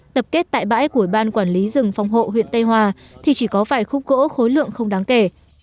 tập kết tại bãi của ban quản lý rừng phòng hộ huyện tây hòa thì chỉ có vài khúc gỗ khối lượng không đáng kể